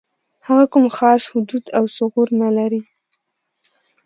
هغه کوم خاص حدود او ثغور نه لري.